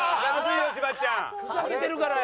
ふざけてるからやん。